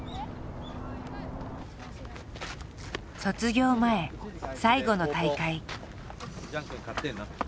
卒業前最後の大会。